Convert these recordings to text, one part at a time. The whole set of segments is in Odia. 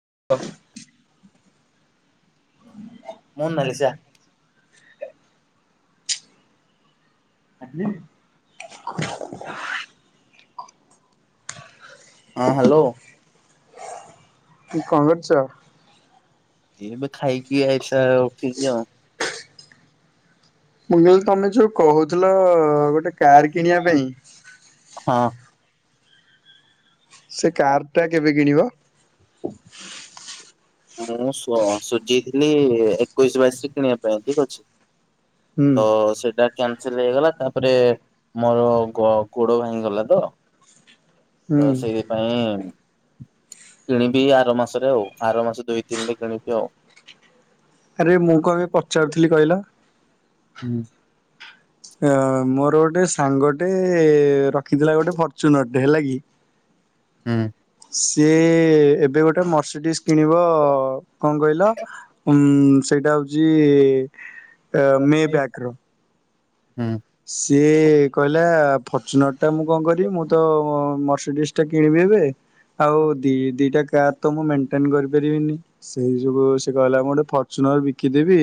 [unintelligible] ମୋନାଲିସା। ଆସିଲେଣି? [unintelligible] ହଁ ହେଲୋ। କି କଣ କରୁଛ? ଏବେ ଖାଇକି ଆଇଶା ଉଠିଲି ଆଉ। ମୁଁ କହିଲି ତମେ ଯୋଉ କହୁଥିଲ ଗୋଟେ କାର କିଣିବା ପାଇଁ ହଁ। ସେ କାର ଟା କେବେ କିଣିବ? ମୁଁ ସୋ ସୁଜିଥିଲି ଏକୋଇଶି ବାଇଶରେ କିଣିବା ପାଇଁ ଠିକ ଅଛି। [inaudible] ହ ସେଇଟା କ୍ୟାନସଲ ହେଇଗଲା ତାପରେ ମୋର ଗୋ ଗୋଡ ଭାଙ୍ଗିଗଲା ତ ତ ହୁଁ ସେଇଥିପାଇଁ କିଣିବି ଆର ମାସରେ ଆଉ ଆର ମାସ ଦୁଇ ତିନରେ କିଣିବି ଆଉ ଆରେ ମୁଁ କଣ ପାଇଁ ପଚାରୁଥିଲି କହିଲ? ହୁଁ। ଅ ମୋର ଗୋଟେ ସାଙ୍ଗଟେ ରଖିଥିଲା ଗୋଟେ ଫର୍ଚୁନରଟେ ହେଲା କି? ହୁଁ। ସିଏ ଏବେ ଗୋଟେ ମର୍ସିଡିସ୍ କିଣିବ। କଣ କହିଲ ଉଁ ସେଇଟା ହଉଛି ମେ ବ୍ୟାକ୍ ର ହୁଁ। ସିଏ କହିଲା ଫର୍ଚୁନର ଟା ମୁଁ କଣ କରିବି। ମୁଁ ତ ମର୍ସିଡିସ୍ ଟା କିଣିବି ଏବେ ଆଉ ଦି ଦିଟା କାର୍ ତ ମୁଁ ମେଣ୍ଟେନ୍ କରିପାରିବିନି। ସେଇ ଯୋଗୁଁ ସେ କହିଲା ମୁଁ ଗୋଟେ ଫର୍ଚୁନର୍ ବିକିଦେବି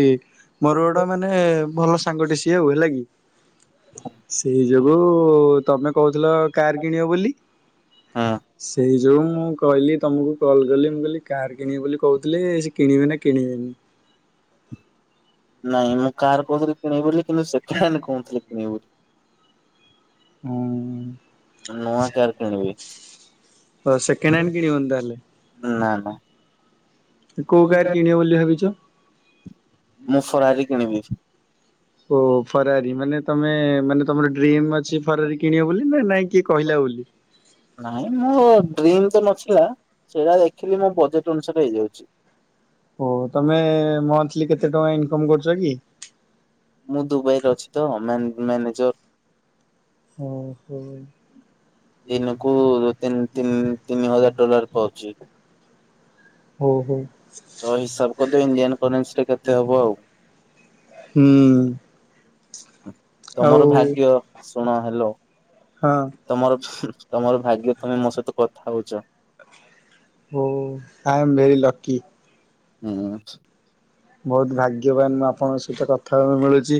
ମୋର ଗୋଟା ମାନେ ଭଲ ସାଙ୍ଗଟି ସିଏ ହେଲା କି। ସେଇ ଯୋଗୁ ତମେ କହୁଥିଲ କାର କିଣିବ ବୋଲି ହୁଁ ସେଇ ଯୋଉଁ ମୁଁ କହିଲି ତମକୁ କଲ୍ କଲି ମୁଁ କହିଲି କାର୍ କିଣିବି ବୋଲି କହୁଥିଲେ। ସେ କିଣିବେ ନା କିଣିବେନି। [inaudible] ନାଇଁ ମୁଁ କାର୍ କହୁଥିଲି କିଣିବ ବୋଲି କିନ୍ତୁ ସେକେଣ୍ଡ ହ୍ୟାଣ୍ଡ କହୁନଥିଲି କିଣିବି ବୋଲି। ହୁଁ। ନୂଆ କାର କିଣିବି। ହ ସେକେଣ୍ଡ ହ୍ୟାଣ୍ଡ କିଣିବନି ତାହେଲେ। ହଁ। କୋଉ କାହାର କିଣିବ ବୋଲି ଭାବିଛ? ମୁଁ ଫରାରୀ କିଣିବି। ଓ ଫରାରି ମାନେ ତମେ ମାନେ ତମର ଡ୍ରିମ ଅଛି ଫରାରୀ କିଣିବ ବୋଲି ନା ନାଇଁ। କିଏ କହିଲା ବୋଲି? ନାଇଁ ମୋ ଡ୍ରି ମ ତ ନଥିଲା ସେଇଟା ଦେଖିଲି ମୋ ବଜେଟ୍ ଅନୁସାରେ ହେଇଯାଉଛି। ଓ ତମେ ମନ୍ଥଲୀ କେତେ ଟଙ୍କା ଇନକମ୍ କରୁଛ କି? ମୁଁ ଦୁବାଇରେ ଅଛି ତ ମ୍ୟାନେଜର। ଓ ହୋ। ଦିନକୁ ତିନି ତିନି ତିନି ହଜାର ଡଲାର ପାଉଛି। ହୋ ହୋ। ତ ହିସାବ କରିଦବ ଇଣ୍ଡିଆନ କରେନ୍ସିରେ କେତେ ହବ ଆଉ। ହୁଁ। ଆଉ ତମର ଭାଗ୍ୟ ଶୁଣ ହାଲୋ। ହଁ ତମର ଭାଗ୍ୟ ତମେ ମୋ ସହିତ କଥା ହଉଚ। Oh I am very lucky. ହୁଁ। ବହୁତ ଭାଗ୍ୟବାନ ମୁଁ ଆପଣଙ୍କ ସହିତ କଥା ହବାକୁ ମିଳୁଚି।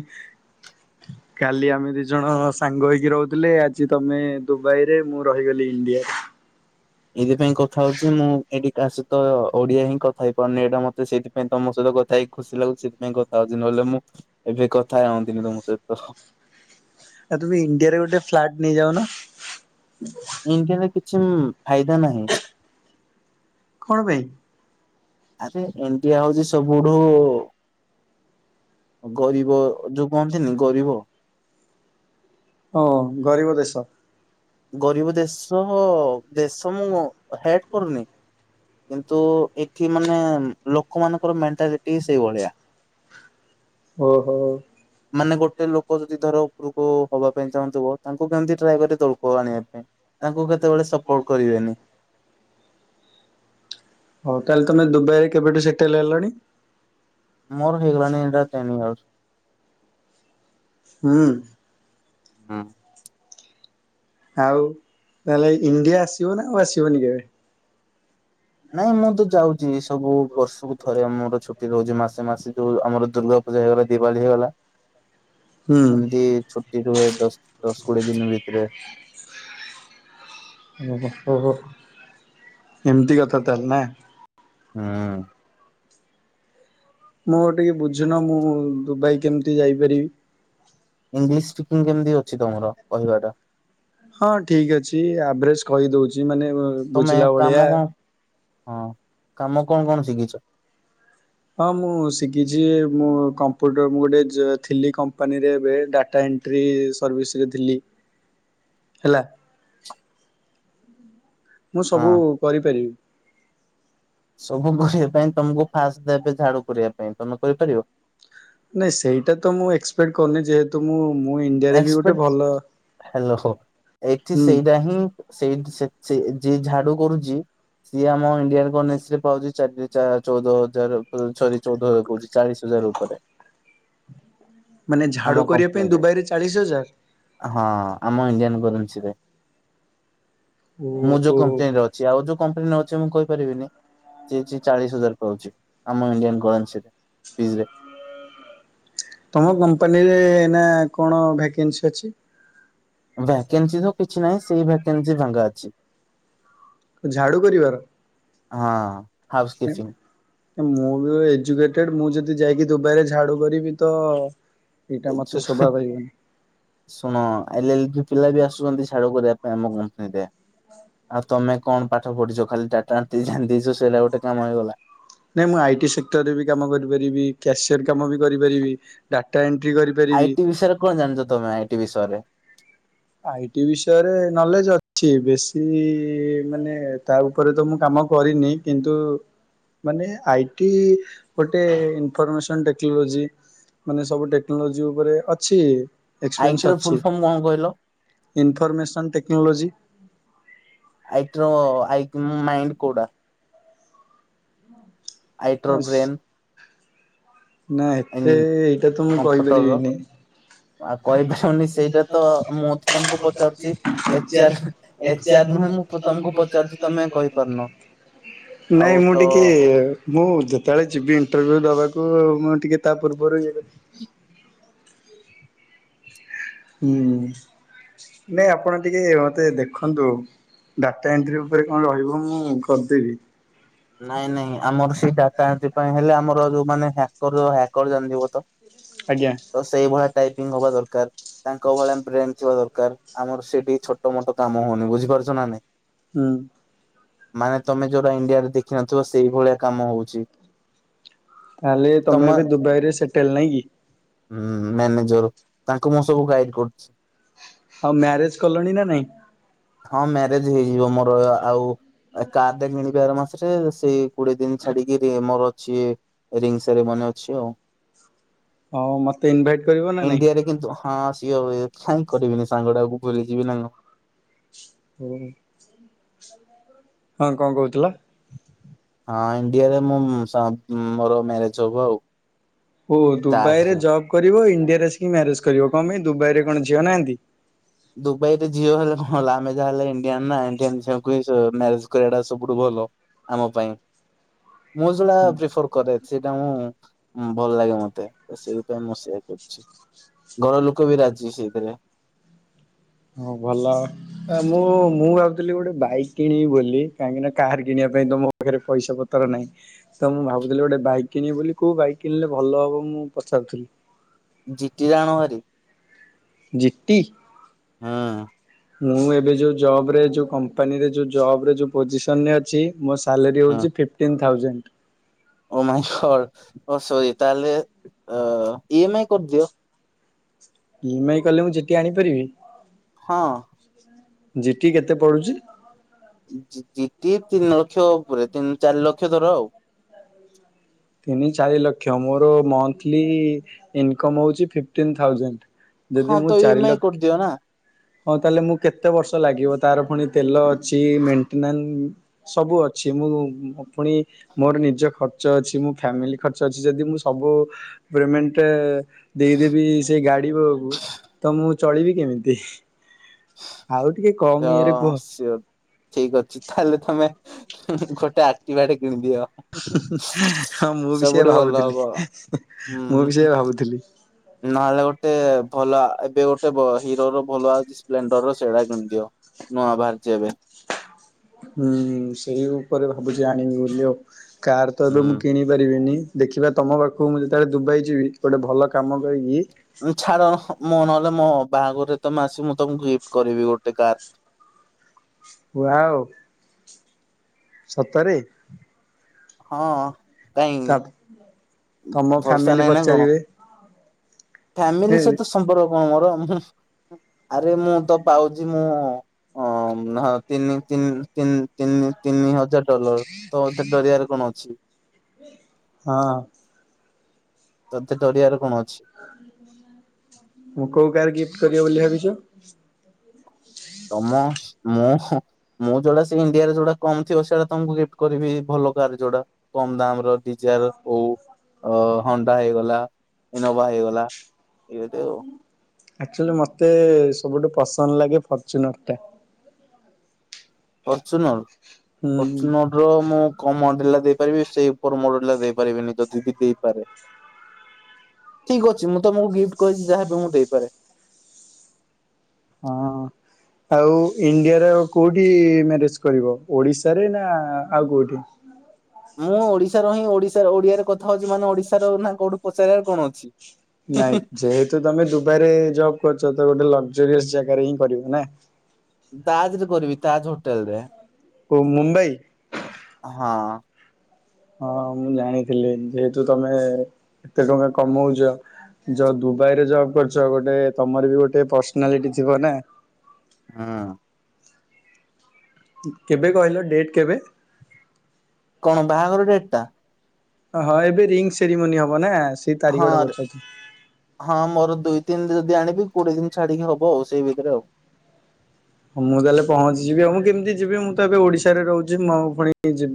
କାଲି ଆମେ ଦି ଜଣ ସାଙ୍ଗ ହେଇକି ରହୁଥିଲେ ଆଜି ତମେ ଦୁବାଇରେ ମୁଁ ରହିଗଲି ଇଣ୍ଡିଆ ଏଇଥିପାଇଁ କଥା ହଉଚି ମୁଁ ଏଠି କାହା ସହିତ ଓଡିଆ ହିଁ କଥା ହେଇପାରୁନି ଏଇଟା ମତେ ସେଥିପାଇଁ ତମ ସହିତ କଥା ହେଇକି ଖୁସି ଲାଗୁଚି ସେଥିପାଇଁ କଥାହଉଚି ନହେଲେ ଲେ ମୁଁ ଏବେ କଥା ହଅନ୍ତିନି ତମ ସହିତ ଆଉ ତୁ ଇଣ୍ଡିଆରେ ଗୋଟେ ଫ୍ଲାଟ ନେଇଯାଉନୁ। ଇଣ୍ଡିଆରେ କିଛି ଫାଇଦା ନାହିଁ। କଣ ପାଇଁ? ଆରେ ଇଣ୍ତିଆ ହଉଚି ସବୁଠୁ ଗରିବ ଯୋଉ କହନ୍ତିନି ଗରିବ ହଁ ଗରିବ ଦେଶ। ଗରିବ ଦେଶ ଦେଶ ମୁଁ ହେଟ କରୁନି। କିନ୍ତୁ ଏଠି ମାନେ ଲୋକମାନଙ୍କର ମେଣ୍ଟାଲିଟି ସେଇଭଳିଆ ଓହୋ। ମାନେ ଗୋଟେ ଲୋକ ଯଦି ଧର ଉପରକୁ ହବା ପାଇଁ ଚାହୁଁଥିବ ତାଙ୍କୁ କେମିତି ଟ୍ରାଏ କରିବେ ତଳକୁ କୁ ଆଣିବା ପାଇଁ ତାଙ୍କୁ କେତେବେଳେ ସପୋର୍ଟ କରିବେନି। ହଉ ତାହଲେ ତମେ ଦୁବାଇରେ କେବେଠୁ ସେଟେଲ ହେଲଣି। ମୋର ହେଇଗଲାଣି ଟେନ୍ ଇୟର୍ସ। ହୁଁ। ହୁଁ। ଆଉ ତାହେଲେ ଇଣ୍ଡିଆ ଆସିବ ନା ଆଉ ଆସିବନି କେବେ? ନାଇଁ ମୁଁ ତ ଯାଉଚି ସବୁ ବର୍ଷକୁ ଥରେ ଆମର ଛୁଟି ରହୁଚି ମାସେ ମାସେ ଯୋଉ ଆମର ଦୁର୍ଗା ପୂଜା ହେଇଗଲା ଦିିବାଲୀ ହେଲା ହୁଁ ଏମିତି ଛୁଟି ରୁହେ ଦଶ ଦଶ କୋଡ଼ିଏ ଦିନ ଭିତରେ ଓହୋ ଓହୋ ଏମିତି କଥା ତାହେଲେ ନା। ହଁ। ମୋର ଟିକେ ବୁଝୁନ ମୁଁ ଦୁବାଇ କେମିତି ଯାଇପାରିବି? ଇଂଲିଶ ସ୍ପିକିଂ କେମିତି ଅଛି ତମର କହିବାର ହଁ ଠିକ ଅଛି ଆଭରେସ୍ କହିଦଉଚି ମାନେ ତମେ ବୁଝିଲା କାମ ଭଳିଆ। କଣ ହଁ କାମ କଣ କଣ ଶିଖିଚ? ହଁ ମୁଁ ଶିଖିଚି ମୁଁ କମ୍ପୁଟର ମୁଁ ଗୋଟେ ଥିଲି କମ୍ପାନୀରେ ଏବେ ଡାଟା ଏନଟ୍ରି ସର୍ଭିସରେ ଥିଲି ହେଲା ମୁଁ ସବୁ ହଁ। କରିପାରିବି। ସବୁ କରିବା ପାଇଁ ତମକୁ ଫାଷ୍ଟ ଦେବେ ଝାଡୁ କରିବା ପାଇଁ ତମେ କରିପାରିବ? ନାଇଁ ସେଇଟା ତ ମୁଁ ଏକ୍ସପେକ୍ଟ କରୁନି ଯେହେତୁ ମୁଁ ମୁଁ ଇଣ୍ଡିଆରେ ବି ଗୋଟେ ଭଲ ଏକ୍ସପେକ୍ଟ ହ୍ୟାଲୋ ଏଠି ହୁଁ। ସେଇଟା ହିଁ ସେଇଟି ସେ ସେ ଯିଏ ଝାଡୁ କରୁଚି ସିଏ ଆମ ଇଣ୍ଡିଆନ କନେସିରେ ପାଉଚି ଚାରି ଚଉଦ ହଜାର ଚ ଚଉଦ ହଜାର କହୁଚି ଚାଳିଶ ହଜାର। ଜର ଉପରେ। [unintelligible] ମାନେ ଝାଡ଼ୁ ଆମ କରିବା ପାଇଁ କମ୍ପାନୀରେ ଦୁବାଇରେ ଚାଳିଶ ହଜାର। ହଁ ଆମ ଇଣ୍ଡିଆନ କରେନ୍ସି ରେ ମୁଁ ଯୋଉ ଓହୋ। କମ୍ପାନୀରେ ଅଛି ଆଉ ଯୋଉ କମ୍ପାନୀରେ ଅ ମୁଁ କହିପାରିବିନି। ସେ ଚାଳିଶ ହଜାର ପାଉଛି ଆମ ଇଣ୍ଡିଆନ କରନ୍ସୀରେ ରୁପିଜିରେ। ତମ କମ୍ପାନୀରେ ଏନା କଣ ଭାକେନ୍ସି ଅଛି। ଭାକେନ୍ସି ତ କିଛି ନାହିଁ ସେଇ ଭାକେନ୍ସି ଫାଙ୍କା ଅଛି। ଝାଡୁ କରିବାର। ହଁ ହାଉସ୍ କିପିଂ। ମୁଁ ବି ଏଜୁକେଟେଡ ମୁଁ ଯଦି ଯାଇକି ଦୁବାଇରେ ଝାଡୁ କରିବି ତ। ଏଇଟା ଏ ମତେ ଯୋଉ ଶୋଭା ପାଇବନି। ଶୁଣ ଆଇ ଆଇଟି ପିଲା ବି ଆସୁଛନ୍ତି ଛାଡୁ କରିବା ଆମ କମ୍ପାନୀରେ ଆଉ ତମେ କଣ ପାଠ ପଢିଛ ଖାଲି ଟାଟା ଏଣ୍ଟ୍ରି ଜାଣିଦେଇଛ ସେଇଟା ଗୋଟେ କାମ ହେଇଗଲା। ନାଇଁ ମୁଁ ଆଇଟି ସେକ୍ଟରରେ ବି କାମ କରିପାରିବି କ୍ୟାସିୟର କାମ ବି କରିପାରିବି ଡାଟା ଏଣ୍ଟ ଆଇ ଟି ବିଷୟରେ କଣ ଜାଣିଛ ତମେ ଆଇଟି ବିଷୟରେ? ଆଇଟି ବିଷୟରେ ନଲେଜ ଅଛି ବେଶୀ ମାନେ ତା ଉପରେ ତ ମୁଁ କାମ ମ କରିନି କିନ୍ତୁ ମାନେ ଆଇଟି ଗୋଟେ ଇନଫର୍ମେସନ ଟେକ୍ନୋଲୋଜି ମାନେ ସବୁ ଟେକ୍ନୋଲୋଜି ଉପରେ ଅଛି ଆଇ ଟି ର ଫୁଲ ଫର୍ମ କଣ କହିଲ? Information technology. ଆଇ ଟି ର ଆଇ କ୍ୟୁ ମାଇଣ୍ଡ କୋଉଟା? ବାସ୍ ଆଇଟ୍ରୋବ୍ରେନ୍। ନା ଏତେ ଏଇଟା ତ ମୁଁ କମ୍ପ୍ୟୁଟର ର କହିପାରିବିନି। ଆଉ [unintelligible] ଏଚ କହିପାରିବନି ସେଇଟା ତ ଆର୍ ମୁଁ ତ ତମକୁ ପଚାରୁଛି H R H H R ଆର୍। [unintelligible] ନୁହେଁ ମୁଁ ତମକୁ ପଚାରୁଛି ତମେ କହିପାରୁନ ଆଉ ନାଇଁ ମୁଁ ତ ଟିକେ ମୁଁ ଯେତେବେଳେ ଯିବି ଇଣ୍ଟରଭି୍ୟୁ ଦବାକୁ କୁ ମୁଁ ଟିକେ ତା ପୂର୍ବରୁ ଇଏ କରି ହୁଁ ନାଇଁ ଆପଣ ଟିକେ ମତେ ଦେଖନ୍ତୁ। ଡାଟା ଏଣ୍ଟ୍ରି ଉପରେ କଣ ରହିବ ମୁଁ କରିଦେବି। ନାଇଁ ନାଇଁ ଆମର ସେଇ ଡାଟା ଏଣ୍ଟ୍ରି ପାଇଁ ହେଲେ ଆମର ଯୋଉମାନେ ହ୍ୟାକର ହ୍ୟାକର ଜାଣିିଥିବ ତ? ଆଜ୍ଞା ତ ସେଇଭଳିଆ ଟାଇପିଙ୍ଗ ହବା ଦରକାର ତାଙ୍କ ଭଳିଆ ବ୍ରେନ ଥିବା ଦରକାର ଆମର ସେଇଠି ଛୋଟ ମୋଟ କାମ ହଉନି ବୁଝିପାରୁଛ ନା ନାଇଁ। ହୁଁ। ମାନେ ତମେ ଯଉରା ଇଣ୍ଡିଆରେ ଦେଖିନଥିବ ସେଇଭଳିଆ କାମ ହଉଛି। ତାହେଲେ ତମେ ଏବେ ଦୁବାଇ ରେ ସେଟେଲ ନାଇଁ କି? ହୁଁ ମ୍ୟାନେଜର ତାଙ୍କୁ ମୁଁ ସବୁ ଗାଇଡ କରୁଛି। ଆଉ ମ୍ୟାରେଜ କଲଣି ନା ନାଇଁ? ହଁ ମ୍ୟାରେଜ ହେଇଯିବ ମୋର ଆଉ କାର ଟେ କିଣିବି ଆର ମାସ ସେ ସେଇ କୋଡିଏ ଦିନ ଛାଡିକି ରି ମୋର ଅଛି ରିଙ୍ଗ ସେରିମନି ଅଛି ଆଉ। ହଁ ମତେ ଇନଭାଇଟ୍ କରିବ ନା ନାଇଁ? ଇଣ୍ଡିଆ ରେ କିନ୍ତୁ ହଁ [unintelligible] ଖାଇଁ କରିବିନି ସାଙ୍ଗଟାକୁ ଭୁଲି ଯିବି ନା କଣ । ହୁଁ। ହଁ କଣ କହୁଥିଲା? ହଁ ଇଣ୍ଡିଆରେ ମୁଁ ସା ମୋର ମ୍ୟାରେଜ ହବ ଆଉ। ଓ ଦୁବାଇରେ ତାଜରେ। ଜବ କରିବ ଇନ୍ ଣ୍ଡିଆ ଆସିକି ମ୍ୟାରେଜ କରିବ କଣ ପାଇଁ ଦୁବାଇରେ କଣ ଝିଅ ନାହାନ୍ତି? ଦୁବାଇରେ ଝିଅ ହେଲେ କଣ ହେଲା ଆମେ ଯାହା ହେଲେ ଇଣ୍ଡିଆନ୍ ନା ଇଣ୍ଡିଆନ ଝିଅଙ୍କୁ ହିଁ ଶ୍ ମ୍ୟାରେଜ କରିବା ଟା ସବୁଠୁ ଭ ଭଲ ଆମ ପାଇଁ। [inaudible] ମୁଁ ସେଇଟା ପ୍ରିଫର କରେ। ସେଇଟା ମୁଁ ଭଲ ଲାଗେ ମତେ ତ ସେଇଥିପାଇଁ ମୁଁ ସେୟା କରୁଛି। ଘରଲୋକ ବି ରାଜି ସେଇଥିରେ। ହଁ ଭଲ ଆ ମୁଁ ମୁଁ ଭାବୁଥିଲି ଗୋଟେ ବାଇକ୍ କିଣିବି ବୋଲି କାହିଁକି ନା କାର କିଣିବା ପାଇଁ ତ ମୋ ପାଖରେ ପଇସା ପତର୍ ନାହିଁ ତ ମୁଁ ଭାବୁଥିଲି ଗୋଟେ ବାଇକ୍ କିଣିବି ବୋଲି କୋଉ ବାଇକ୍ କିଣିଲେ ଭଲ ହବ ମୁଁ ପଚାରୁଥିଲି ଜିଟି୍ ଟା ଆଣ ଭେରି। ଜିଟି୍? ହୁଁ ମୁଁ ଏବେ ଯୋଉ ଜଵ୍ ରେ ଯୋଉ କମ୍ପାନୀରେ ଯୋଉ ଜବ୍ ରେ ଯୋଉ ପୋଜିସନ୍ ରେ ଅଛି ମୋ ସ ସାଲେରୀ ହୁଁ ହଉଛି fifteen thousand. Oh my god oh sorry ତାହେଲେ ଅ ଇ ଏମ୍ ଆଇ କରିଦିଅ। ଇ ଏମ୍ ଆଇ କଲେ ମୁଁ ଜିଟି୍ ଆଣିପାରିବି? ହଁ [inaudible] ଜିଟି କେତେ ପଡୁଛି ଜିଟି ତିନି ଲକ୍ଷ ଉପରେ ତିନି ଚାରି ଲକ୍ଷ ଧର ଆଉ ତିନି ଚାରି ଲକ୍ଷ ମୋର ମନ୍ଥଲି ଇନକମ୍ ହଉଛି ଫିଫ୍ଟିନ୍ ଥାଉଜେଣ୍ଟ୍। ହଁ ଯଦି ମୁଁ ତ ଇ ଏମ ଚାରି ଆଇ ଲକ୍ କରିଦିଅ ନା ହଁ ତାହଲେ ମୁଁ କେତେ ବର୍ଷ ଲାଗିବ ତାର ପୁଣି ତେଲ ଅଛି ମେଣ୍ଟେନାଁସ ସବୁ ଅଛି--? ଛି ମୁଁ ପୁଣି ମୋର ନିଜ ଖର୍ଚ୍ଚ ଅଛି ମୋ ଫ୍ୟାମିଲି ଖର୍ଚ୍ଚ ଅଛି ଯଦି ମୁଁ ସବୁ ପେମେଣ୍ଟ ଦେଇଦେବି ସେଇ ଗାଡି କକୁ ତ ମୁଁ ଚଳିବି କେମିତି? ଆଉ ଟିକେ କମ ଇଏରେ ତ--ଅ- କୁହ ସିଓର୍ ଠିକ ଅଛି ତାହେଲେ ତମେ ଗୋଟେ ଆକ୍ଟିବା ବା ଟେ କିଣିଦିଅ ହଁ ମୁଁ ବି ସେୟା ସବୁଠୁ ଭଲ ଭାବୁଥିଲି। ହବ ମୁଁ ବି ହୁଁ ସେୟା ଭାବୁଥିଲି। ନହେଲେ ଗୋଟେ ଭଲ ଏବେ ଗୋଟେ ବ ହିରୋ ର ଭଲ ସ୍ପେଣ୍ଡର୍ ର ସେଇଟା କିଣିଦିଅ। ନୂଆ ବାହାରିଛି ଏବେ ହୁଁ ସେଇ ଉପରେ ଭାବୁଛି ଆଣିବି ବୋଲି ଆଉ କାର୍ ତ ଏବେ ମୁଁ କିଣି ପାରିବିନି ଦେଖିବା ତମ ପାଖକୁ ମୁଁ ଯେତେବେଳେ ଦୁବାଇ ଯିବି ଗୋଟେ ଭଲ କାମ କରିକି ଚ୍ଛାଡ଼ ମୁଁ [unintelligible] ମ ବାହାଘର ରେ ତମେ ଆସି ମୁଁ ତମକୁ ଗିଫ୍ଟ କରିବି ଗୋଟେ କାର୍। ୱାଓ ସତରେ ! ହଁ କାଇଁ ତମ ଭରଷା ଫ୍ୟାମିଲି ନାାଇଁ ନା କଣ? ପଚାରିବେ ଫ୍ୟାମିଲି ହଁ ସହିତ ସମ୍ପର୍କ କଣ ମୋର? ମୁ ଆରେ ମୁଁ ତ ପାଉଛି ମୁଁ ଅ ହ [inaudible] ହଁ ତିନି ତିନ୍ ତିନ୍ ତିନି ତିନି ହଜାର ଡଲର୍ ତ ମୋତେ ଡରିିବାରେ କଣ ଅଛି? [inaudible] ହଁ। ତୋତେ ଡରିଆର କଣ ଅ [inaudible] ମୁଁ କୋଉ କାର୍ ଗିଫ୍ଟ କରିବ ବୋଲି ଭାବିଚ୍ ତମ ମୁଁ ମୁଁ ଯୋଉଟା ସେ ଇଣ୍ଡିଆରେ ଯୋଉଟା କମ ଥିବ ସେଇଟା ତମକୁ ଗିଫ୍ଟ କରିବି ଭଲ ଯୋଉଟା କମ ଦାମ ର ଡିଜର ହଉ [unintelligible] ଅ ହୋଣ୍ଡା ହେଇଗଲା, ଇନୋଭା ହେଇଗଲା ଏମିତି ଆଉ ଆକଚୁଆଲି ମତେ ସବୁଠୁ ପସନ୍ଦ ଲାଗେ ଫର୍ଚୁନର ଟା। ଫରଚୁନର୍ ହୁଁ ଫରଚୂନର୍ ର ମୁଁ କମ୍ ମଡେଲା ଦେଇପାରିବି ସେଇ ଉପର ମଡେଲା ଦେଇପାରିବିନି ଯଦି ବି ଦେଇପାରେ। ଠିକ୍ ଅଛି ମୁଁ ତମକୁ ଗିଫ୍ଟ କହିଛି ଯାହାବି ମୁଁ ଦେଇପାରେ। ହଁ ଆଉ ଇଣ୍ଡିଆର କୋଉଠି ମ୍ୟାରେଜ କରିବ ଓଡିଶା ରେ ନା ଆଉ କୋଉଠି? ମୁଁ ଓଡିଶାର ହିଁ ଓଡିଶାର ଓଡିଆରେ କଥା ହଉଛି ମାନେ ଓଡିଶାର ନା କୋଉଠୁ ପଚାରିଆର କଣ ଅଛି? ନାଇଁ ଯେହେତୁ ତମେ ଦୁବାଇରେ ଜବ୍ କରୁଛ ତ ଗୋଟେ ଲଗ ଜୋରିଅସ୍ ଜାଗାରେ ହିଁ କରିବ ନା ତାଜ୍ ରେ କରିବି ତାଜ ହୋଟେଲ ରେ। ଓ ମୁମ୍ବାଇ ହଁ ହଁ ମୁଁ ଜାଣିଥିଲି ଯେହେତୁ ତମେ କେତେ ଟଙ୍କା କମଉଛ ଯ ଦୁବାଇରେ ଜବ୍ କରୁଛ ଗୋଟେ ତମର ବି ଗୋଟେ ପର୍ସନାଲିଟି ଥିବ ନା ହଁ କେବେ କହିଲ ଡେଟ୍ କେବେ କଣ ବାହାଘର ଡେଟ୍ ଟା ହଁ ଏବେ ରିଙ୍ଗ ସେରିମନି ହବ ନା ସେଇ ତାରିଖ ଟା ହଁରେ ପଚାରୁଛି। ହଁ ମୋର ଦୁଇ ତିନ ଯଦି ଆଣିବି କୋଡିଏ ଦିନ ଛାଡିକି ହବ ଆଉ ସେଇ ଭିତରେ ଆଉ ମୁଁ ତାହେଲେ ପହଞ୍ଚିଯିବି ଆଉ ମୁଁ କିମିତି ଯିବି ମୁଁ ତ ଏବେ ଓଡିଶାରେ ରହୁଛି ମୁ ଆଉ ପୁଣି ଯିବି ।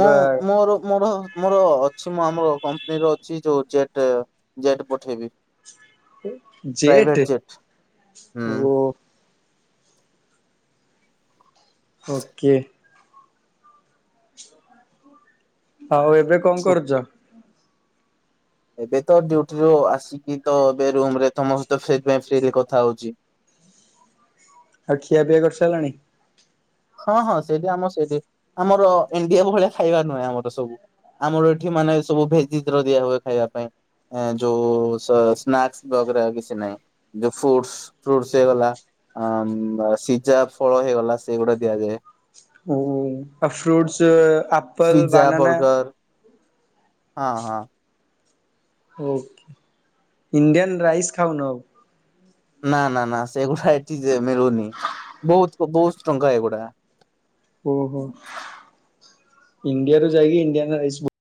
ମୁଁ ମୋର ମୋର ମୋର । ମୁଁ ଆମର କମ୍ପାନୀର ଅଛି ଯୋଉ ଜେଟ୍ ଜେଟ ପଠେଇବି । ଜେଟ୍ ପ୍ରାଇଭେଟ ଜେଟ ହୁଁ ଓ । ଓକେ । ଆଉ ଏବେ କଣ ଛୁ କରୁଚା । ଏବେ ତ ଡ୍ୟୁଟିରୁ ଆସିକି ତ ଏବେ ରୁମ ରେ ତମ ସହିତ ସେଇତି ପାଇଁ ଫ୍ରୀଲୀ କଥା ହଉଛି । ଆଉ ଖିଆ ପିଆ କରିସାଇଲଣି । ହଁ ହଁ ସେଇଠି ଆମର ସେଇଠି ଆମର ଇଣ୍ଡିଆ ଭଳିଆ ଖାଇବା ନୁହେଁ ଆମର ସବୁ । ଆମର ଏଠି ମାନେ ସବୁ ଭେଜିତର ଦିଆ ହୁଏ ଖାଇବା ପାଇଁ । ଏ ଯୋଉ ସ୍ନାକ୍ସ ବଗେରା ଆଉ କିଛି ନାହିଁ ଯଉ ଫୁଟ୍ସ ଫ୍ରୁଟ୍ସ ହେଇଗଲା । ଅ ସିଝା ଫଳ ହେଇଗଲା ସେଗୁଡା ଦିଆଯାଏ । ଓ ଆ ଫ୍ରୁଟ୍ସ । ପିଜ୍ଜା ବର୍ଗର ହଁ ହଁ। ଓକେ ଇଣ୍ଡିଆନ୍ ରାଇସ ଖାଉନ ଆଉ । ନା ନା ନା ସେଗୁଡା ଏଠି ମିଳୁନି ବହୁତ ବହୁତ ଟଙ୍କା ଏଗୁଡା । ଓହୋ ଇଣ୍ଡିଆ ରୁ ଯାଇକି ଇଣ୍ଡିଆନ ରାଇସ